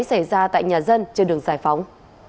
xảy ra tại nhà dân trên đường giải phóng